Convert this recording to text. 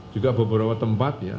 juga beberapa tempat ya